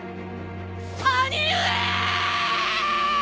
兄上！！